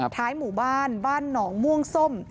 หมู่บ้านบ้านหนองม่วงส้ม